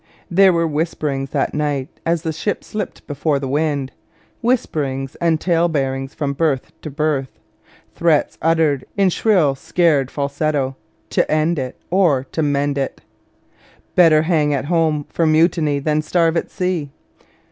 There were whisperings that night as the ship slipped before the wind, whisperings and tale bearings from berth to berth, threats uttered in shrill scared falsetto 'to end it or to mend it; better hang at home for mutiny than starve at sea.'